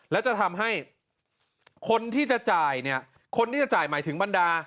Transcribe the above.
แล้วจะทำให้คนที่จะจ่ายเนี่ยคนที่จะจ่ายหมายถึงบรรดา